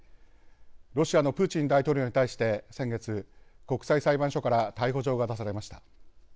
ロシアのプーチン大統領に対して先月国際裁判所から逮捕状が出されました。